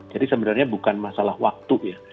jadi sebenarnya bukan masalah waktu ya